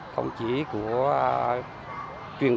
không chỉ của truyền thông